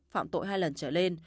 phạm tội hai lần trở lên